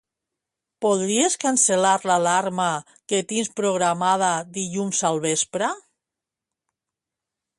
Podries cancel·lar l'alarma que tinc programada dilluns al vespre?